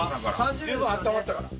十分あったまったから。